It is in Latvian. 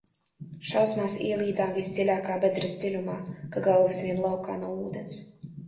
Šausmās ielīdām visdziļākā bedres dziļumā, ka galvas vien laukā no ūdens.